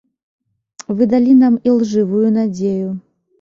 Вы далі нам ілжывую надзею.